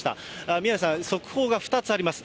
宮根さん、速報が２つあります。